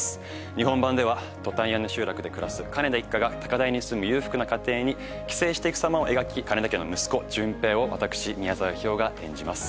日本版ではトタン屋根集落で暮らす金田一家が高台に住む裕福な家庭に寄生していくさまを描き金田家の息子純平を私宮沢氷魚が演じます